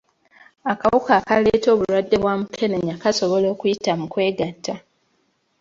Akawuka akaleeta obulwadde bwa mukenenya kasobola okuyita mu kwegatta.